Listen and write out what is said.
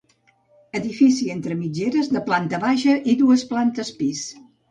Edifici entre mitgeres, de planta baixa i dues plantes pis.